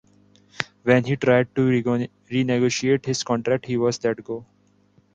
When he tried to renegotiate his contract, he was let go.